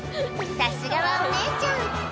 さすがはお姉ちゃん！